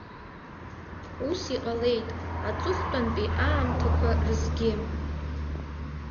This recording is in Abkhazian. Ус иҟалеит аҵыхәтәантәи аамҭақәа рзгьы.